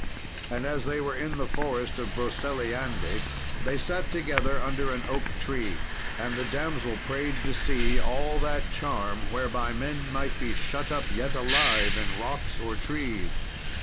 And as they were in the forest of Broceliande, they sat together under an oak tree, and the damsel prayed to see all that charm whereby men might be shut up yet alive in rocks or trees.